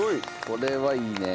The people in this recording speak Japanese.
これはいいね。